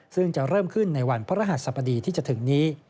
ซึ่งจะเริ่มขึ้นในวันพระรหัสสบดีที่จะถึงนี้